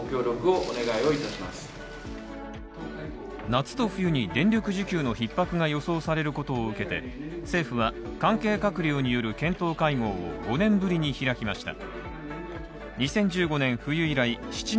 夏と冬に電力需給の逼迫が予想されることを受けて、政府は関係閣僚による検討会合を５年ぶりに開きました